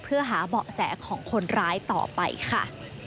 เพื่อหาเบาะแสของคนร้ายต่อไปค่ะ